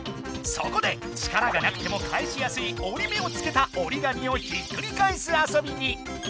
そこで力がなくても返しやすいおり目をつけたおりがみをひっくり返す遊びに。